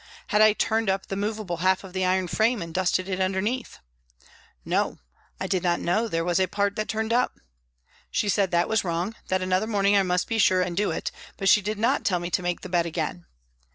"Had I turned up the movable half of the iron frame, and dusted it under neath ?"" No, I did not know there was a part that turned up." She said that was wrong, that another morning I must be sure and do it, but she did not tell me to make the bed again.